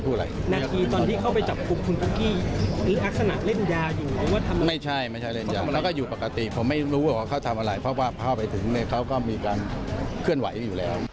ปุ๊กกี้มีเสียง